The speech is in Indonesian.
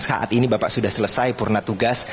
saat ini bapak sudah selesai purna tugas